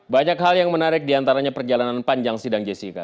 banyak hal yang menarik diantaranya perjalanan panjang sidang jessica